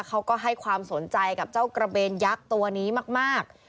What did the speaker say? เขาก็ให้ความสนใจกับเจ้ากระเบนยักษ์ตัวนี้มาก